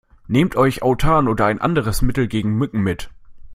Nehmt euch Autan oder ein anderes Mittel gegen Mücken mit.